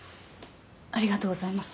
ありがとうございます。